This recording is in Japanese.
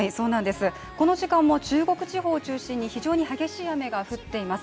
この時間も中国地方を中心に非常に激しい雨が降っています。